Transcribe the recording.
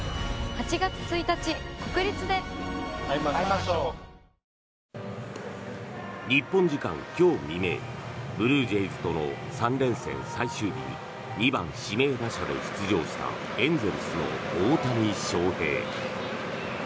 メジャーリーグエンゼルスの大谷翔平選手は日本時間今日未明ブルージェイズとの３連戦最終日に２番指名打者で出場したエンゼルスの大谷翔平。